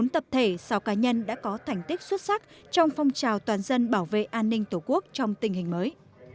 bốn tập thể sáu cá nhân đã có thành tích xuất sắc trong phong trào toàn dân bảo vệ an ninh tổ quốc trong tình hình mới